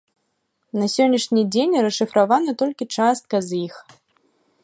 На сённяшні дзень расшыфравана толькі частка з іх.